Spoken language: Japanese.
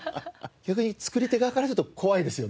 逆に作り手側からすると怖いですよね。